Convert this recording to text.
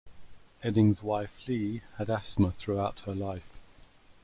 Eddings's wife Leigh had asthma throughout her life.